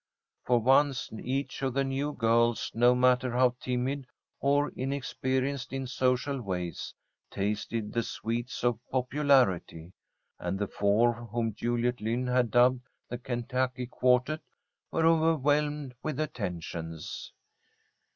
For once, each of the new girls, no matter how timid or inexperienced in social ways, tasted the sweets of popularity, and the four whom Juliet Lynn had dubbed the Kentucky quartette were overwhelmed with attentions.